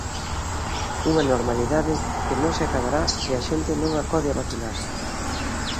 Unha normalidade que no se acadará se a xente non acode a vacinarse.